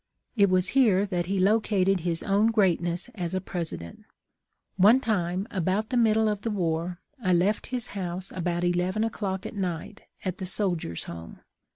" It was here that he located his own greatness as a President. One time, about the middle of the war, I left his house about eleven o'clock at night, at the Soldiers' Home.